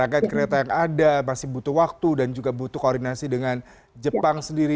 paket kereta yang ada masih butuh waktu dan juga butuh koordinasi dengan jepang sendiri